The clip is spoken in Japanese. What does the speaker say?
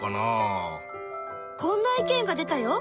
こんな意見が出たよ。